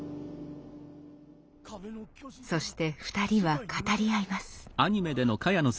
そして２人は語り合います。